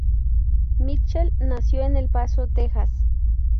Mitchell nació en El Paso, Texas.